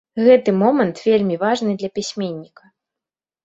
Гэты момант вельмі важны для пісьменніка.